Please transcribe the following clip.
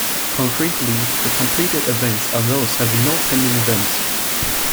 Concretely, the completed elements are those having no pending events.